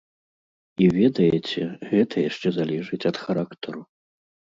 І ведаеце, гэта яшчэ залежыць ад характару.